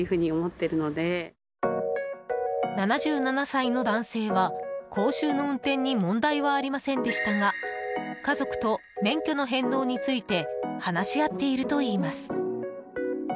７７歳の男性は講習の運転に問題はありませんでしたが家族と免許の返納について話し合っているといいます。